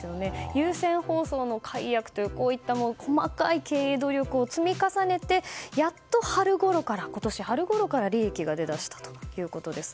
有線放送の解約などこういった細かい経営努力を積み重ねてやっと今年春ごろから利益が出だしたということです。